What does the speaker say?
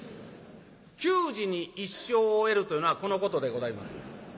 給仕に一生を得るというのはこのことでございます。